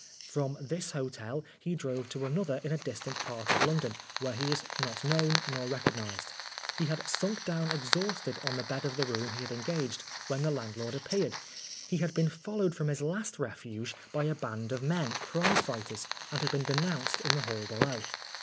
From this hotel he drove to another in a distant part of London, where he was not known nor recognised. He had sunk down exhausted on the bed of the room he had engaged when the landlord appeared. He had been followed from his last refuge by a band of men, prize fighters, and had been denounced in the hall below.